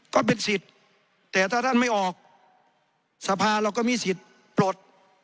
ก็เป็นสิทธิ์แต่ถ้าท่านไม่ออกสภาเราก็มีสิทธิ์ปลด